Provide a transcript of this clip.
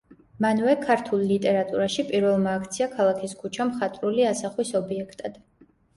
მანვე, ქართულ ლიტერატურაში პირველმა აქცია ქალაქის ქუჩა მხატვრული ასახვის ობიექტად.